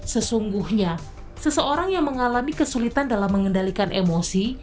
sesungguhnya seseorang yang mengalami kesulitan dalam mengendalikan emosi